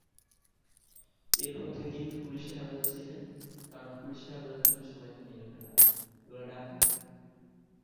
এর পর থেকেই পুলিশি হেফাজতে ছিলেন তিনি।